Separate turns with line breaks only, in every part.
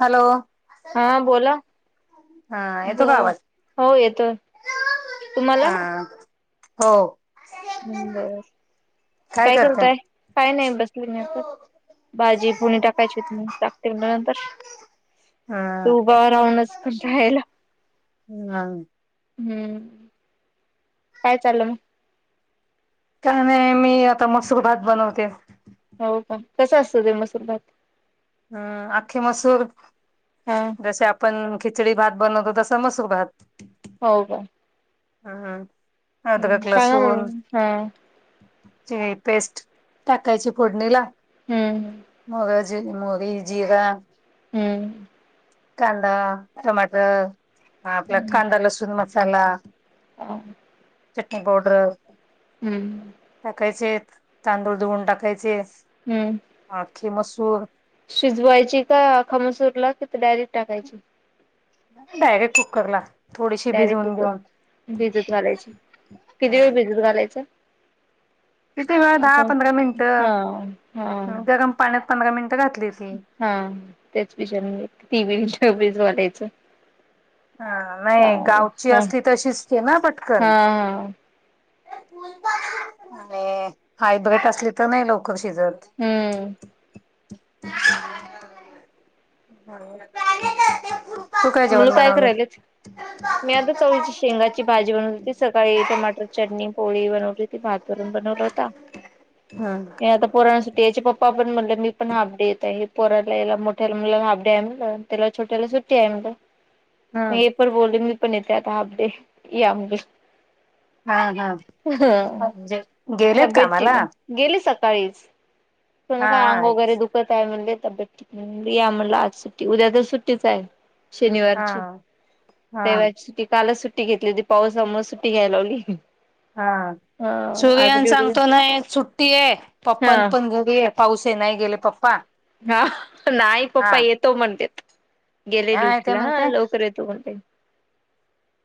Hello,
हा बोला.
हा येतो
ज
का आवाज
हो येतो तुम्हाला.
हा हो,
हम्म, बरंच.
काय करते
काय नाही बसले नाही तर भाजी फोडणी टाकायची होती मी टाकते म्हटलं नंतर.
हा
तू उभ राहूनच पण रायला.
हम् [unintelligible]
हम्म, काय चाललंन.
काय नाही मी आता मसूर भात बनवते.
हो का, कसं असतं ते मसूर भात.
हम्म, आखी मसूर
हा
जैसे आप आप ''--'' आपण खिचडी भात बनवतो तसं मसूर भात.
हो का, हम्म
अद्क
सांगा मला
लसूून.
मग. हा
ची पेस्ट टाकायची फोडणीला.
हम्म,
मुग ज मोगरी जिरा.
हम्म,
कांदा टमाटर आपला कांदा लसूण मसाला.
ह [inaudible]
चटनी पावडर
हम्म.
टाकायचे, तांदूळ धुवून टाकायचे.
हम्म.
आखी मसूर
शिजवायची का अखामसूरला? कि डायरेक्ट टाकायची?
डायरेक्ट कुकर ला. थोडीशी
डायरेक्ट
भिजवून
कुकर
घेऊन
भिजू घालायच.
किती ग दहा पंधरा
हा
मिनिटं,
हा
गरम पाण्यात पंधरा मिनिटं घातलीस
हा त्याच विचार म्ह [unintelligible] ती बेज वालायचं
ह नाही
चालेल
गावची
हा
असती
हा
तर शिजते ना पटकन.
हा
आणि हाय ब्रेट असली तर नाही लवकर शिजत.
हम्म
[inaudible] हो चाले काप [inaudible]
मुलं काय करायलेत? मी आता चवळीची शेंगाची भाजी बनवली होती, सकाळी टमाटर चटणी, पोळी, बनवली. भात वरण बनवला होता.
हम्
हे आता पोरांसाठी त्याचे पप्पा पण म्हटलं मी पण हाफ डे येत आहे, पोराला यायला मोठ्याला मुलाला हाफ डे आहे म्हणलं - त्याला छोट्याला सुट्टी आहे म्हणलं. हे
हम्म
पण बोलले मी पण येते आता हाफ डे, या मग.
हा हा गेलेत
तब्येत ठीक
कामाला?
आहे गेली सकाळीच, थोडं
हा
फार अंग
हा
वगैरे दुख दुखत आहे म्हणले तब्येत ठीक नाही, या म्हणलं, आज सुट्टी उद्या तर सुट्टीच आहे. शनिवारची,
हा हा
रविवारीची सुट्टी कालच सुट्टी घेतली होती. पावसामुळे सुट्टी घ्यायला लावली.
हा
हा आज
सूर््यान
ड्युटी
सांगतो ना सुट्टी आहे. पप्प
हा
पण घरी आहे. पाऊस ये, नाही गेले पप्पा.
हा नाही पप्पा
हा
येतो म्हणतेत, गेले
नाही ते
ड्युटीला
म्हणते
लवकर येतो म्हणते.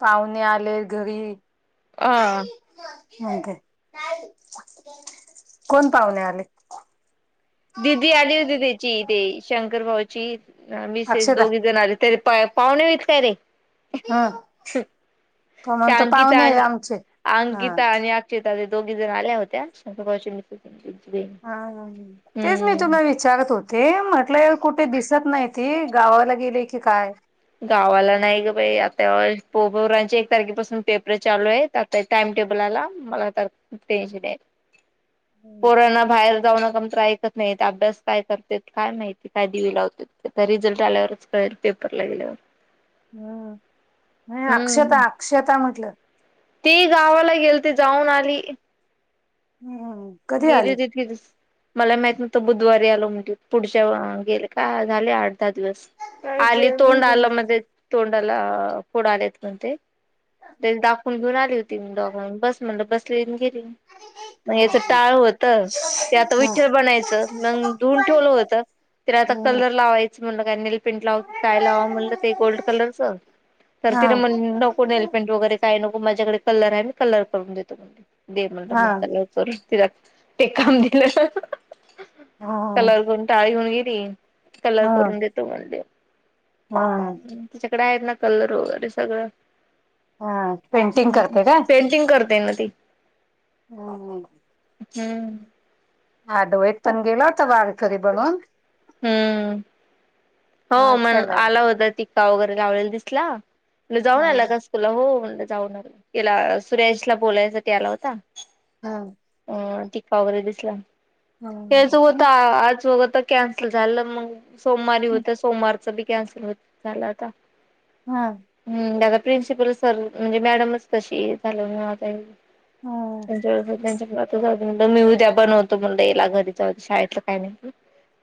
पाहुणे आले घरी.
ह.
कोण पाहुने आले?
दिदी आली होती त्याची ती शंकर भाऊची मिसेस
अक्षदा
दोघी जण आले. ते काय पाहुणे आहे काय रे?
ह
ते
तो म्हणतो
अंकिता
पाहुणे आहे
आणि
आमचे हा
अंकिता आणि - दोघी जण आल्या होत्या [unintelligible]
हा हा, तेच मी
हम्म
तुला विचारत होते. ते म्हटलं कुठे दिसत नाही ती गावाला गेले की काय?
गावाला नाही ग बाई आता पोरांचे एक तारखेपासून पेपर चालू आहेत. टाइम टेबल आला. मला तर टेंन्सन ये. पोरांना बाहेर जाऊ नका म्हणलं तर ऐकत - - नाही अभ्यास काय करते काय माहिती, काय दिवे लावते, तर रिझल्ट आल्यावरच कळेल पेपर. [unintelligible]
हम्म, नाही
हम्म
अक्षता -अक्षता म्हटलं.
ती गावाला गेलती, जाऊन आली.
हम्म. कधी आली
गेली [unintelligible] मला माहित नव्हतो बुधवारी आलो म्हण [unintelligible] पुढच्या गेले का झाले, आठ, दहा दिवस.
काय
आली
जेवण
तोंड आल
बनव
मधेच, तोंडाला फोड आलेत म्हणते. तेच दाखवून घेऊन आली होती मी. [unintelligible] बस म्हटलं बसली, अन् गेली. मग याच टाळ होत. ते आता
हा
विठ्ठल बनायचं मग धुऊन ठेवल होत. तर आता कलर लावायच म्हणलं काय नि नेलपेंट लाऊ काय लावाव म्हणल ते गोल्ड कलरच. तर ती न
हा
म्हणली नको नेलपेंट वगैरे काय नको. माझ्याकडे कलर आहे मी कलर करून देतो म्हणे. दे म्हणलं
हा
मग कलर करून तिला ते काम दिलं.
हा
कलर करून टाळं घेऊन गेली. कलर करून देतो म्हणली.
हा.
तिच्याकडे आहेत ना, कलर वगैरे सगळं.
हा पेंटिंग करते
[unintelligible] [unintelligible] करते ना ती.
हा हं.
हम्म.
अद्वैत पण गेला होता, वारकरी बनून.
हम्म, हो मग आला होता टिक्का वगैरे लावलेला दिसला. म्हणलं जाऊन आला
हं
का स्कूलला? हो म्हणलं जाऊन आलं. तिला [unintelligible] यांशला बोलायसाठी आला होता.
हं
अं टीका वगैरे दिसला.
हं हं
कॅन्सल झालं, मग सोमवारी
हं
होत सोमवारच बी कॅन्सल होत झालं आता.
हा.
हम्म, दादा प्रिन्सिपल सर म्हणजे मॅडमच तशी झालं आता त्यांच्या [unintelligible] मी उद्या बनवतो म्हणलं हीला घरी. जाऊदे शाळेतलं काही नाही.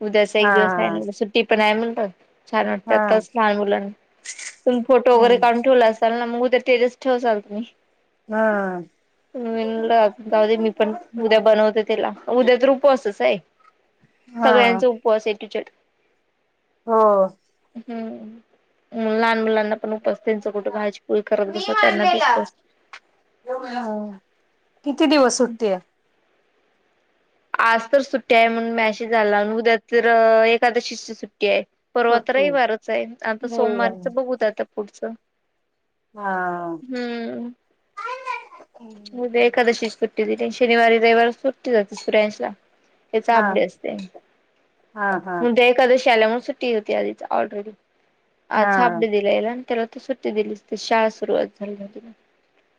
उद्याचा एक दिवस
हा
आहे. सुट्टी पण आहे म्हणल. छान वाटते.
हा
आताच लहान मुलांना तुम्ही फोटो वगैरे काढून ठेवला अस चालना मग, उद्या स्टेटस ठेवत असाल की? मी म्हणल, आता जाऊ दे. मी पण उद्या बनवते तिला उद्या तर उपासच आहे.
हा
सगळ्यांचा उपवास आहे, [unintelligible]
हो.
हम्म. लहान मुलांना पण उपवास त्याच कुठं भाजी, पोळी करत बसा, त्यांना बी उपवास.
किती दिवस सुट्टीये?
आज तर सुट्टी आहे म्हणून मेसेज आला, उद्या तर अं एकादशीची सुट्टीये. परवा त
सुट्टी
रविवारच आहे. आता
रविवारी
सोमवारच बघू आता पुढचं.
हा.
हम्म.
हा
उद्या एकादशी आहे ची सुट्टी दिली. शनिवारी, रविवारी तर सुट्टीच असते. [unintelligible] त्याचा
हा
अभ्यासे,
हा
उद्या एकादशी आल्यामुळे सुट्टी होती आधीच ऑलरेडी.
हा
आज हाफ
हा
डे दिलाय ना त्याला तर सुट्टी दिली, शाळा सुरुवात झाली नव्हती म्हणून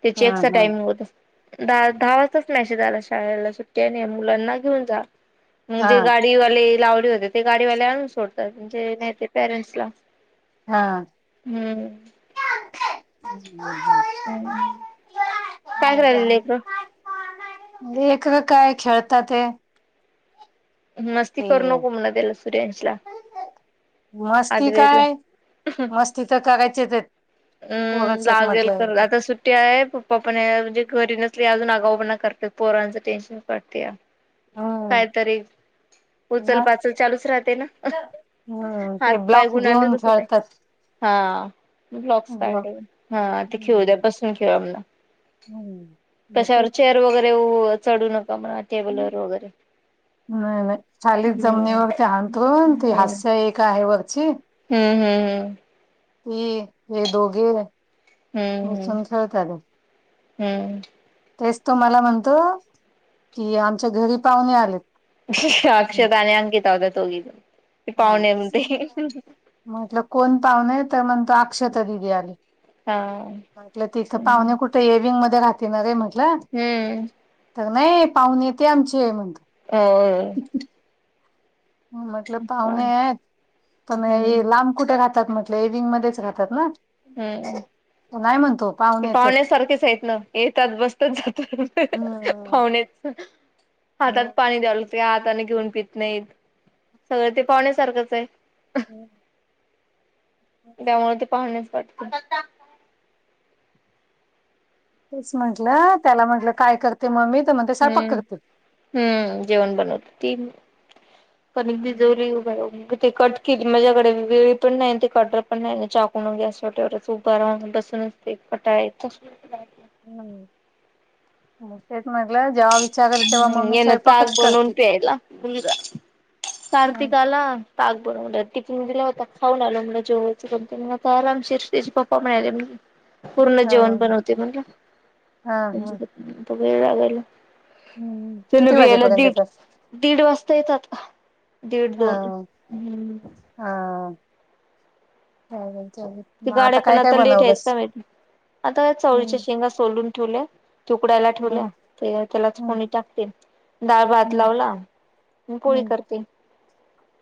त्याची
हा
टायमिंग दहा दहा वाजताच मॅसेज आला. शाळेला सुट्टी आहे. आणि या मुलांना घेऊन जा. म जे
हा
गाडीवाले लावले होते, ते गाडीवाले आणून सोडतात, म्हणजे नाही ते पॅरेंट्स ला
हा. का का
हम्म काय करायले लेकरं
[unintelligible] लेकरं काय खेळतात ये.
मस्ती करू नको म्हणल त्याला सूर्याशला
मस्ती
[unintelligible]
काय मस्ती तर करायची
हम्म लागेल कर आता सुट ट्ट्या आहे पप्पा पण आहे म्हणजे घरी नसली अजून आगाऊ पना करते पोरांचं टेन्शन पडतया.
हम्म.
कायतरी उचल
ना
पाचल चालूच राहते न.
हम्म ते
हात पाय
ब्लॉक
गुण आणलं
घेऊन
बसू दे.
खेळतात
हा ब्लॉक्स
ब्लॉक.
काढले हा ते खेऊ द्या
हम्म.
बस खेळा म्हणा
हम्म मग
कशावर
तेच
चेअर वगैरे चढू नका म्हणा टेबल वर वगैरे
नाही नाही खाली
हम्म
जमनीवरती ते हांतरून ते हास्य एक आहे वरची
हम्म हम्म हम्म
ती हे दोघे
हम्म हम्म,
बसून खेळतात
हम्म
तेच तो मला म्हणतो की आमच्या घरी पाहुणे आलेत.
अक्षता आणि अंकिता [unintelligible]
हा
पाहुणे म्हते.
म्हटलं कोण पाहुणे त म्हणतो अक्षता दिदी आली.
हा
म्हटलं तिथं
हम्म
पाहुणे कुठे ए विंग मध्ये राहती न रे म्हंटलं.
हम्म.
त नाही पाहुणे ते आमचे म्हणत.
हो [unintelligible]
म्हटलं पाहुणे आहेत पण
हम्म
ये लांब कुठे राहतात म्हटलं ए विंग मध्येच राहतात न
हम्म
नाही म्हणतो पाहू
ते पाहुण्यासारखेच आहेत न येतात बसतच जातात
हम्म
पाहुणेच.
[inaudible]
हातात पाणी द्याव लागते हाताने घेऊन पित नाहीत सगळं ते पाहुण्यासारखंच आहे.
[inaudible]
त्यामुळे ते पाहुणे [inaudible]
तेच म्हंटलं त्याला म्हटलं काय करते मम्मी त म्हणते स्वयपाक
हम्म
करते.
हम्म जेवण बनवत ती कणिक भिजवली उभे राहून ते कट किट मझ्याकडे वेळी पण नाही ते कटर पण नाही आणि चाकून गॅसवर [unintelligible] असतात तेवढच उभा राहून बसूनच एक कंटाळा येतो.
मग तेच म्हटल जेंव्हा वी
हम्म हेन ते आज बनवून प्यायला,
ह
कार्तिक आला ताक बनवलं टिफिन दिला होता खाऊन आलो म्हंटल जेवयच कसतरी आरामशीर त्याचे पप्पा म्हणाले
[inaudible]
पूर्ण जेवण
ह
बनवते म्हंटल
ह
त्यांच्यासाठी वेळ लागायला.
हम्म.
ते लोक यायला दीड दीड वाजता येतात दीड
ह
दोन, हम्म
हा, चालेल चालेल.
त्या गाड्या पण आता लेट आहेत. सगळेच आता
हम्म
चवळीच्या शेंगा सोलून ठेवल्या. उकडायला ठेवल्या
हम्म
तर त्यालाच
हम्म
फोडणी टाकते डाळ भात
हम्म
लावला. मी पोळी
हम्म
करते.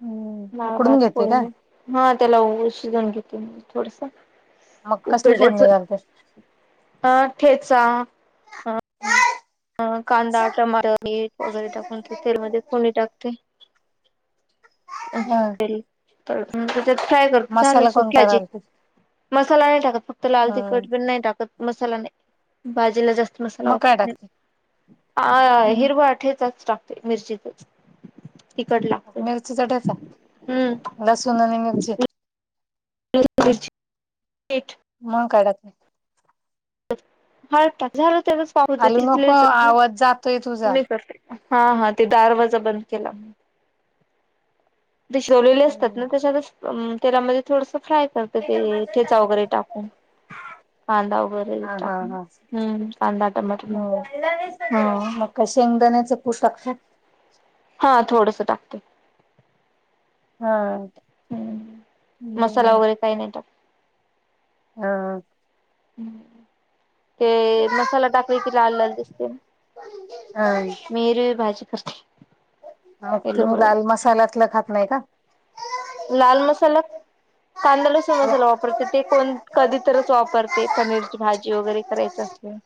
हम्म
डाळ भात
उकडून घेते
पोळी
का
नी हा त्याला ओषी सांगितली थोडंसं
मग
-
कसली
उकडल्याच
फोडणी घालते
हा ठेचा. अ कांदा, टमाटर, मीठ वगैरे टाकून ते तेलमध्ये फोडणी टाकते. अ
हं
त्यात फ्राय करते झालं
मसाला कोणता
सुकलाकि-
घालते
मसाला नाही टाकत. फक्त लाल
हं
तिखट पण नाही टाकत. मसाला नाही भाजीला जास्त मसाला
मग काय
वापरत नाही.
टाकते
आ हा
हं
हिरवा ठेचाच टाकते मिरचीचाच. तिखट लागत.
मिरचीचा ठेचा लसूण आणि मिरची
हम्म [inaudible] पीठ.
मग काय टाकते.
हळद टाक झालं तेवढच काम होत
आलू नको
तिथलेच ना
आवाज जातोय तुझा
मी करते. हा हा ते दरवाजा बंद केला. ते शिजलेले असतात
हं
ना, त्यांच्यातच तेलामध्ये थोडस फ्राय करत. ते ठेचा वगैरे टाकून, कांदा वगैरे टाकून. हम्म कांदा टमाटर
हो
ह
मग का शेंगदाण्याच कुट टाकता?
हा थोडंस टाकतो.
हा
ह् मसाला वगैरे काही नाही टाकत.
हा
ते मसाला टाकले कि लाल लाल दिसते.
हा
मी हिरवी भाजी करते. येल्लो
तुम्ही लाल
कलरची.
मसाल्यातलं खात नाही का?
लाल मसाला. कांदा लासूनच ना वापरते ते पण कधीतरच वापरते पनीरची भाजी वगैरे करायच असेल.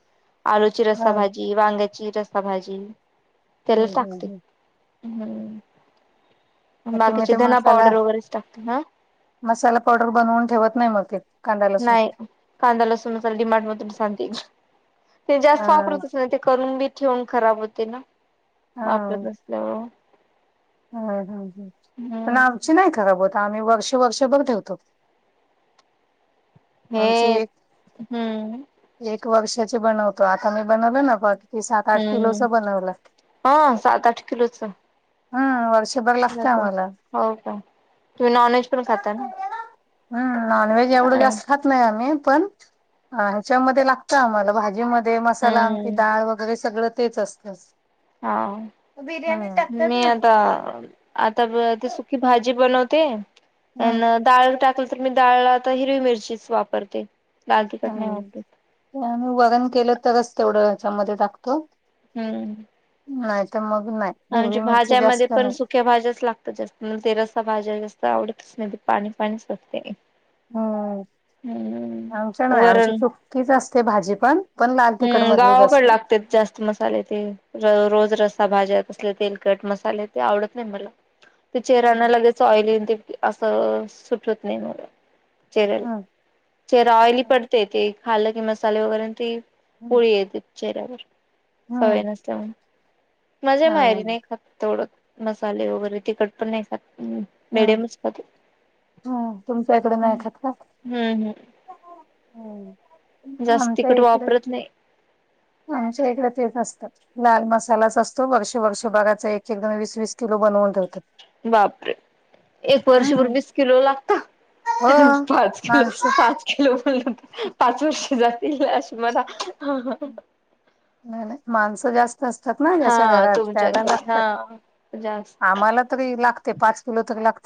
आलूची
हं
रसाभाजी वांग्याची रसाभाजी. तेलात
हं हं
टाकते
हं मग तुम्ही
बाकीचे
ते
धना
मसाला
पावडर, [unintelligible]
मसाला पावडर बनवून ठेवत नाही मग? कांदा लसूण
नाही कांदा लसून डी मार्ट म त सांते- ते जास्त
अ
वापरतच नाय ते करून बी ठेवून खराब होते. वापरत नसल्यावर.
हम्म हम ह पण
हम्म
आमची नाही खराब होत. आम्ही वर्षे वर्षेभर ठेवतो. आमची
हे
एक
हम्म
एक वर्षाची बनवतो. आता मी बनवलं ना बघ- मी सात आठ
हम्म
किलोच बनवलंय,
हा सात आठ किलोच.
ह वर्षभर-
हो
लागतं आम्हाला
का तुम्ही नॉन व्हेज पण खाता ना?
हम् नॉनवेज एवढं जास्त- खात नाही आम्ही पण, ह्याच्यामध्ये लागत आम्हाला भाजी मध्ये. दे मसाला आमटी
हम्म
डाळ वगैरे सगळं तेच असतं.
हा
बिर्याणी टाकतात
मी
ना
आता, आता ते सुखी भाजी बनवते,
हम्म
अन डाळ टाक- तर मी डाळला तर हिरवी मिरचीच वापरते. लाल
ह
तिखट नाही वापरत
आम्ही वरन केलं तरच तेवढं ह्याच्यामध्ये टाकतो.
हम्म
नाही तर मग नाही. हिरवी
आमच्या
मिरची
भाज्यामध्ये
जास्त
पण
नाही
सु क्या भाज्याच लागतात जास्त ते रस्सा भाज्या जास्त आवडतच नाही ते पाणी पाणीच लागते.
हम्म
हम् वरण.
तीच असते भाजीपण, पण लाल तिखट
हम्म
मधलीच
गावाकडे
असते.
लागते जास्त मसाले ते रोज रस्सा भाज्या तसले तेलकट मसाले ते आवडत नाही मला. ते चेहऱ्यांना
हम्म
लगेच ऑइली ते असं सुट होत नाही मला. चेहऱ्याला,
हम्म
चेहरा ऑइली पडते ते खाल्लं की मसाले वगैरे ते पुळी येते चेहऱ्यावर, सवय
हम्म
नसल्यामुळे. मजा
ह
माहेरी नाही खात तेवडं मसाले वगैरे तिखट पण नाही ह् मिडियमच खातो.
हम... तुमच्या इकड नाही खात का?
हम्म
हम्म
जास्त
आमच्या
तिकट
इकडे,
वापरत नाही
आमच्या इकडे तेच असतात. लाल मसालाच असतो वर्ष वर्ष भराचा एक एकद वीस वीस किलो बनवून ठेवतात.
बापरे एक वर्षभर
हम्म
वीस किलो लागता?
हो
पाच किलो
माणसं
पाच कीलो म्हणल तर पाच वर्ष जातील मला.
नाही नाही माणस जास्त असतात ना ज्याच्या
हा
घरात त्याला
तुमच्याकडे
लागतात
हा जास्त
आम्हाला तरी लागते पाच किलो तरी लागत.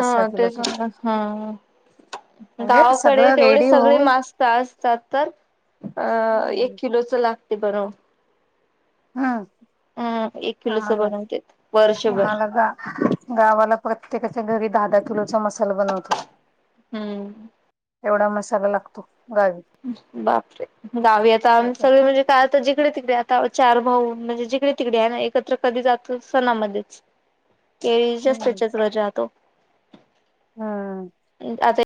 हा तेच हा हम्म
म्हणजे
गावाकडे
सगळं
तेवढे
रेडी
सगळे
होऊन
मास् स असतात तर अ एक
हम्म
किलोच लागते बनव
हम्
हम्म एक किलोच
आम्हाला
बनवते
नाही,
वर्षभर
आम्हाला जा गावाला प्रत्येकाच्या घरी दहा दहा किलोचा मसाला बनवत होतो.
हम्म
एवढा मसाला लागतो. गावी
बापरे गावी आता आम् सगळे म्हणजे काय तर जिकडे तिकडे आता चार भाऊ म्हणजे जिकडे तिकडे आहे ना एकत्र कधी जात सणामध्ये.
[inaudible] हम्म हम्म
[unintelligible]